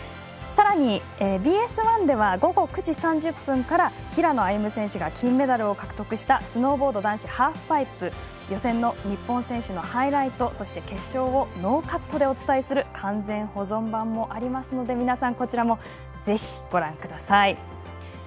さらにＢＳ１では午後９時３０分から平野歩夢選手が金メダルを獲得したスノーボード男子ハーフパイプ予選の日本選手のハイライトそして決勝をノーカットでお伝えする完全保存版もありますから皆さんこちらもぜひご覧ください。